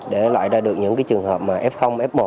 để loại ra được những trường hợp f f một